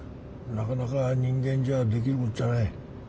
なかなか人間じゃできることじゃない。